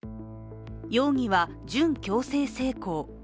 容疑は準強制性交。